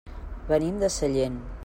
Venim de Sellent.